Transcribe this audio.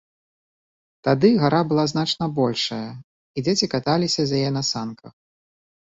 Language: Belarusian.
Тады гара была значна большая, і дзеці каталіся з яе на санках.